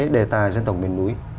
đề tài dân tộc miền núi